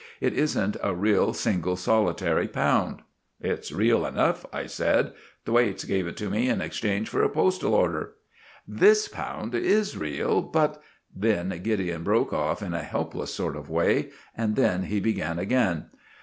It isn't a real, single, solitary pound." "It's real enough," I said; "Thwaites gave it to me in exchange for a postal order." "This pound is real, but——" Then Gideon broke off in a helpless sort of way, and then he began again.